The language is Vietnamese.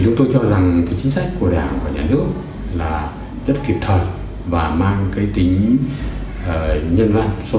chúng tôi cho rằng chính sách của đảng và nhà nước là rất kịp thời và mang tính nhân văn sâu sắc